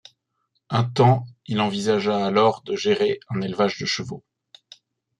Un temps il envisagea alors de gérer un élevage de chevaux.